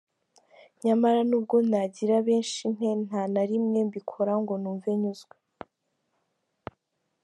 Nyamara nubwo nagira benshi nte ntana rimwe mbikora ngo numve nyuzwe.